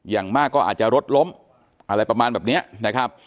อย่างมากก็อาจจะรถล้มอะไรประมาณแบบนี้นะครับ